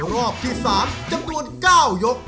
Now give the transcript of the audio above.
รอบที่๓จำนวน๙ยก